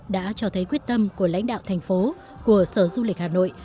đã cho thấy quyết tâm của lãnh đạo thành phố của sở du lịch hà nội